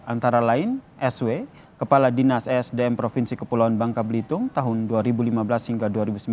antara lain sw kepala dinas esdm provinsi kepulauan bangka belitung tahun dua ribu lima belas hingga dua ribu sembilan belas